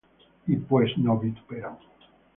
Y pues no vituperan